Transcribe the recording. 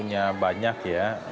kita punya banyak ya